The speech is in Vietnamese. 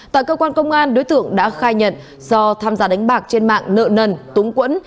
tại cơ quan công an đối tượng đã khai nhận do tham gia đánh bạc trên mạng nợ nần túng quẫn